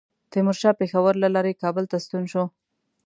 تیمورشاه پېښور له لارې کابل ته ستون شو.